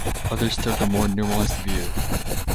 Others took a more nuanced view.